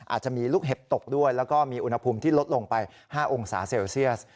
อาจจะมีลูกเห็บตกด้วยแล้วก็มีอุณหภูมิที่ลดลงไป๕องศาเซลเซียส